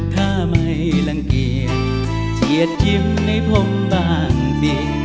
ถ้าไม่ลังเกียจเจียดจิ้มในผมบางสิ